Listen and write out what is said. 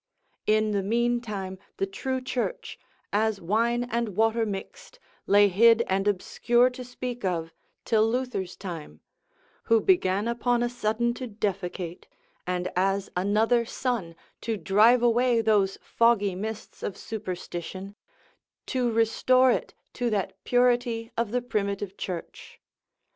In the mean time the true Church, as wine and water mixed, lay hid and obscure to speak of, till Luther's time, who began upon a sudden to defecate, and as another sun to drive away those foggy mists of superstition, to restore it to that purity of the primitive Church.